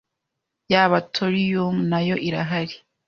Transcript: yaba thorium nayo irahari,